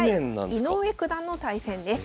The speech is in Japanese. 井上九段の対戦です。